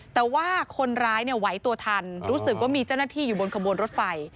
แต่ว่าคนร้ายเนี่ยไหวตัวทันรู้สึกว่ามีเจ้าหน้าที่อยู่บนขบวนรถไฟ